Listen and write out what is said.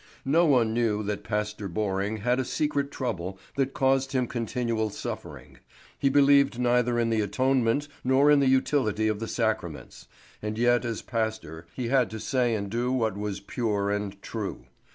No one knew that Pastor Borring had a secret trouble that caused him continual suffering. He believed neither in the atonement nor in the utility of the sacraments; and yet as pastor he had to say and do what was pure and true.